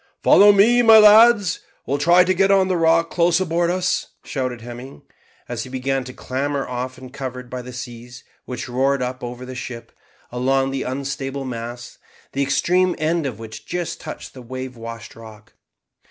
"Follow me, my lads, and we'll try to get on the rock close aboard us," shouted Hemming, as he began to clamber, often covered by the seas which roared up over the ship, along the unstable mast, the extreme end of which just touched the wave washed rock.